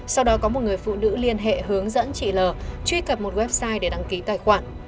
sau đó có một người phụ nữ liên hệ hướng dẫn chị l truy cập một website để đăng ký tài khoản